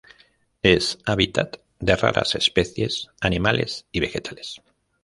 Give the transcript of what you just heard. Es hábitat de raras especies animales y vegetales.